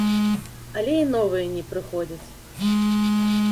Але і новыя не прыходзяць.